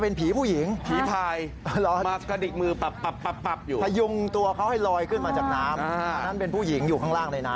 พยุงตัวเขาให้ลอยขึ้นมาจากน้ำ